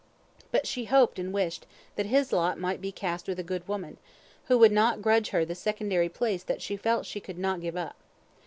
But she hoped and wished that his lot might be cast with a good woman, who would not grudge her the secondary place that she felt she could not give up.